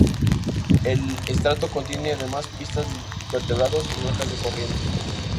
El estrato contiene además pistas de invertebrados y marcas de corriente.